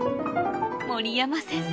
守山先生